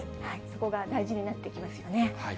そこが大事になってきますよね。